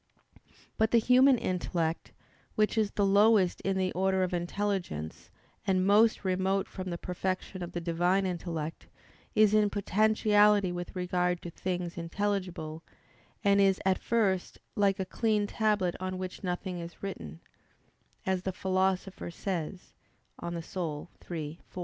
But the human intellect, which is the lowest in the order of intelligence and most remote from the perfection of the Divine intellect, is in potentiality with regard to things intelligible, and is at first "like a clean tablet on which nothing is written," as the Philosopher says (De Anima iii, 4).